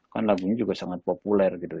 kan lagunya juga sangat populer gitu